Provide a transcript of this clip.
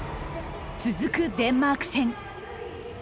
続くデンマーク戦。